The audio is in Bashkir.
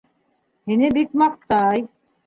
Һине бик маҡтай.